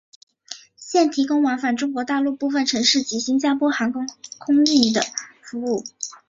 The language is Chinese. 现提供往返中国大陆部分城市及新加坡的航空客运服务。